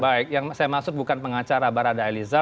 baik yang saya maksud bukan pengacara barada eliza